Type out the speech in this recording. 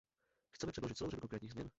Chceme předložit celou řadu konkrétních změn.